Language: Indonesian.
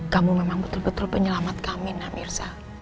kamu memang betul betul penyelamat kami nak mirza